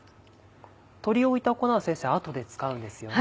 とりおいた粉は先生後で使うんですよね？